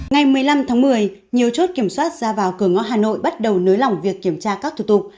ngày một mươi năm tháng một mươi nhiều chốt kiểm soát ra vào cửa ngõ hà nội bắt đầu nới lỏng việc kiểm tra các thủ tục